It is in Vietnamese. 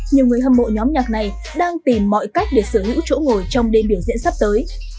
nhiều người hâm mộ nhóm nhạc này đang tìm mọi cách để sở hữu chỗ ngồi trong đêm biểu diễn sắp tới